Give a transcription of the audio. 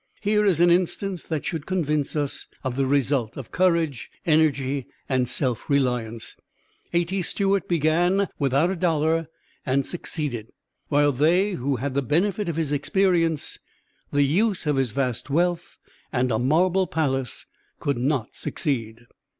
Here is an instance that should convince us of the result of courage, energy, and self reliance. A. T. Stewart began without a dollar, and succeeded, while they who had the benefit of his experience, the use of his vast wealth, and a marble palace, could not succeed.